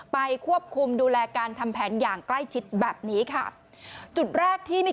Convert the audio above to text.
ไปควบคุมดูแลการทำแผนอย่างใกล้ชิดแบบนี้ค่ะจุดแรกที่มี